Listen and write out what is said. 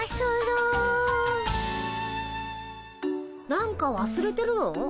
何かわすれてるの？